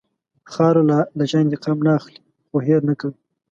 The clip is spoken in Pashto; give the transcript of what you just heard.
خاوره له چا انتقام نه اخلي، خو هېر نه کوي.